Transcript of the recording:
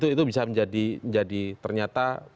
itu bisa menjadi ternyata